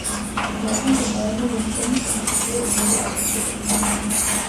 Mehrere Räume sind Kunst und Kultur des Mittelalters gewidmet.